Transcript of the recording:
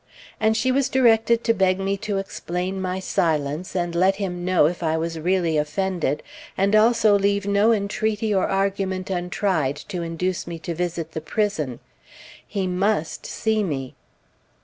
And she was directed to beg me to explain my silence, and let him know if I was really offended, and also leave no entreaty or argument untried to induce me to visit the prison; he must see me.